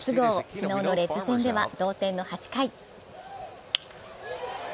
昨日のレッズ戦では同点の８回。